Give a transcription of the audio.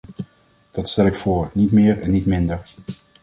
Dat stel ik voor, niet meer en niet minder.